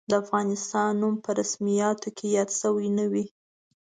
د افغانستان نوم په رسمیاتو کې یاد شوی نه وي.